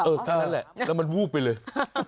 แค่นั้นแหละแล้วมันวูบไปเลย